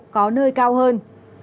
có nơi cao hơn